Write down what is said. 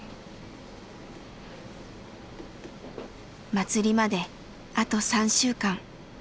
祭りまであと３週間。